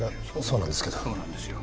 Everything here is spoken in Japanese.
そうなんですよ。